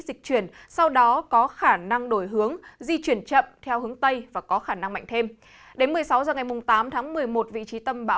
xin chào và hẹn gặp lại